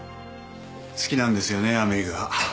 好きなんですよねアメリカ。